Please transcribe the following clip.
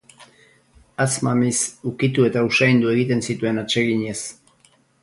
Hatz-mamiz ukitu eta usaindu egiten zituen atseginez.